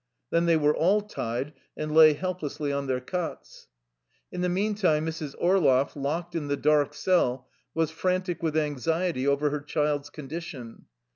Then they were all tied, and lay helplessly on their cots. In the meantime Mrs. Orloff, locked in the dark cell, was frantic with anxiety over her child's condition.